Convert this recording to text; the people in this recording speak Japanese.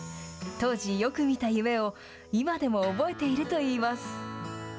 当時、よく見た夢を今でも覚えているといいます。